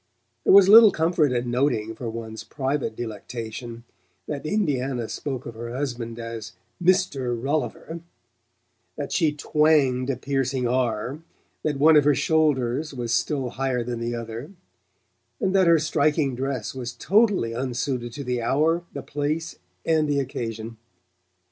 There was little comfort in noting, for one's private delectation, that Indiana spoke of her husband as "Mr. Rolliver," that she twanged a piercing R, that one of her shoulders was still higher than the other, and that her striking dress was totally unsuited to the hour, the place and the occasion.